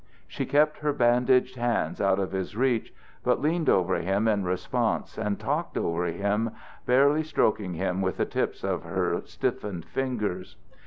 She kept her bandaged hands out of his reach but leaned over him in response and talked ever to him, barely stroking him with the tips of her stiffened fingers.